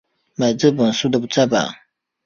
买这本书的再版